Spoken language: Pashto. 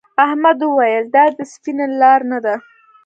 احمد وویل دا د سفینې لار نه ده.